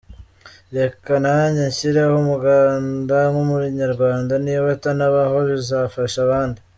Reka nanjye nshyireho umuganda nk’umunyarwanda niba atanabaho bizafasha abandi.